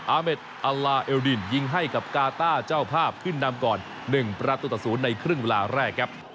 อาเมดอัลลาเอลดินยิงให้กับกาต้าเจ้าภาพขึ้นนำก่อน๑ประตูต่อ๐ในครึ่งเวลาแรกครับ